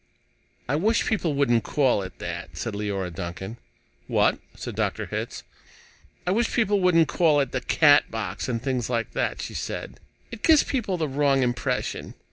"I wish people wouldn't call it that," said Leora Duncan. "What?" said Dr. Hitz. "I wish people wouldn't call it 'the Catbox,' and things like that," she said. "It gives people the wrong impression."